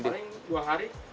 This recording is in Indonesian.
paling dua hari